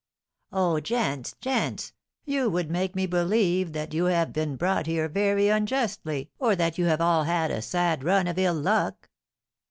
Oh, gents, gents, you would make me believe that you have been brought here very unjustly or that you have all had a sad run of ill luck."